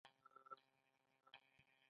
ایا زه باید کپسول وخورم؟